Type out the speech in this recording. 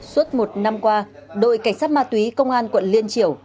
suốt một năm qua đội cảnh sát ma túy công an quận liên triều